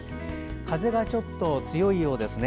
風がちょっと強いようですね。